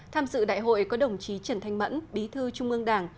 tham dự đại hội có đồng chí trần thanh mẫn bí thư trung ương đảng